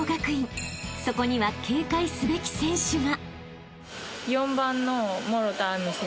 ［そこには警戒すべき選手が］